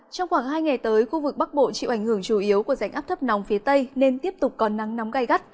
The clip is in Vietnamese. trong khoảng hai ngày tới khu vực bắc bộ chịu ảnh hưởng chủ yếu của rãnh áp thấp nóng phía tây nên tiếp tục có nắng nóng gai gắt